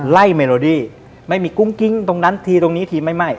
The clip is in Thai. เมโลดี้ไม่มีกุ้งกิ้งตรงนั้นทีตรงนี้ทีไม่ไหม้